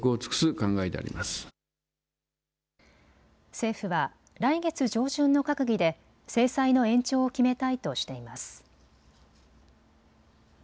政府は来月上旬の閣議で制裁の延長を決めたいとしています。